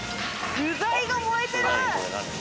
具材が燃えてる！